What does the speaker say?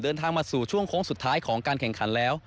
เดินทางมาสู่ช่วงโค้งสุดท้ายของการแข่งขันแล้ว